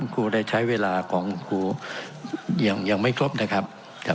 ครูได้ใช้เวลาของครูยังไม่ครบนะครับ